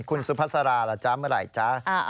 คุณสุภาษาล่ะจ๊ะเมื่อไหร่จ๊ะ